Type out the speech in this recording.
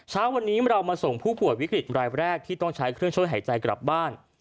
เช้าวันนี้เรามาส่งผู้ป่วยวิกฤตรายแรกที่ต้องใช้เครื่องช่วยหายใจกลับบ้าน